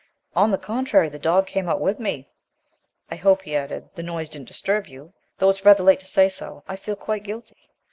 "On the contrary. The dog came out with me. I hope," he added, "the noise didn't disturb you, though it's rather late to say so. I feel quite guilty."